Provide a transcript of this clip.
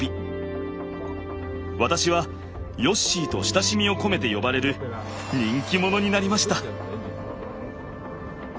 私はヨッシーと親しみを込めて呼ばれる人気者になりました。